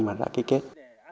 mà đã kết kết